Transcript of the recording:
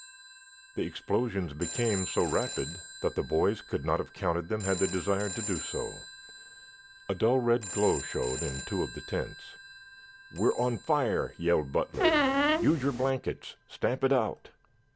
_ The explosions became so rapid that the boys could not have counted them had they desired to do so. A dull red glow showed in two of the tents. "We are on fire!" yelled Butler. "Use your blankets. Stamp it out!"